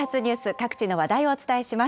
各地の話題をお伝えします。